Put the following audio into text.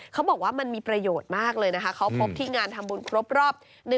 เขาบอกว่ามันมีประโยชน์มากเลยนะคะเขาพบที่งานทำบุญครบรอบ